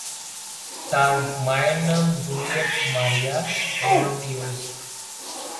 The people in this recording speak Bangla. তার মায়ের নাম জুলিয়েট মারিয়া রনডিউক্স।